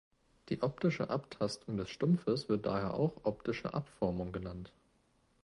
Die optische Abtastung des Stumpfes wird daher auch „optische Abformung“ genannt.